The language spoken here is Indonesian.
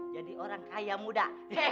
jadi orang kaya muda